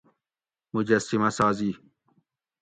مجسمہ سازی